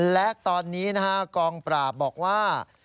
และตอนนี้นะฮะกองปราบบอกว่า